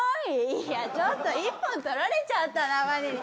「いやちょっと一本取られちゃったなワニに」。